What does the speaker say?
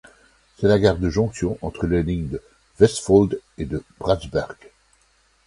C'est la gare de jonction entre les lignes de Vestfold et de Bratsberg.